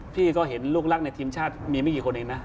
พี่ก็เห็นลูกรักในทีมชาติมีไม่กี่คนเองนะ